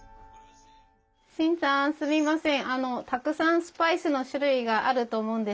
シンさんすみません。